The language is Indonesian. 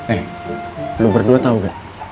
eh lu berdua tau gak